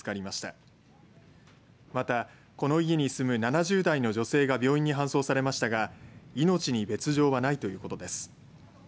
またこの家に住む７０代の女性が病院に搬送されましたが命に別状はないということです。